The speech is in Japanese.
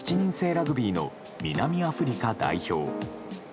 ラグビーの南アフリカ代表。